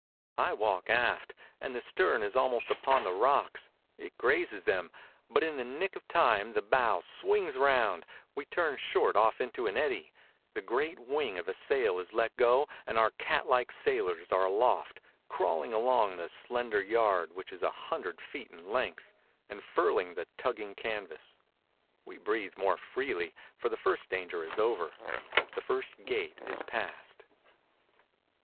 I walk aft, and the stern is almost upon the rocks; it grazes them; but in the nick of time the bow swings round, we turn short off into an eddy; the great wing of a sail is let go, and our cat like sailors are aloft, crawling along the slender yard, which is a hundred feet in length, and furling the tugging canvas. We breathe more freely, for the first danger is over. The first gate is passed.